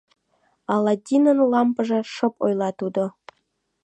Аладдинын лампыже... — шып ойла тудо.